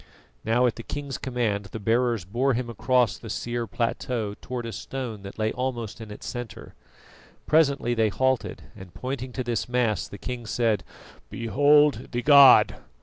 Now at the king's command the bearers bore him across the sere plateau towards a stone that lay almost in its centre. Presently they halted, and, pointing to this mass, the king said: "Behold the god!"